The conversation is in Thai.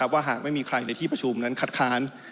ว่าหากไม่มีใครในที่ประชุมนั้นคัดค้าน